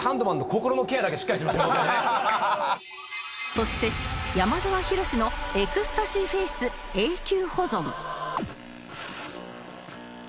そして山澤浩司のエクスタシーフェイス永久保存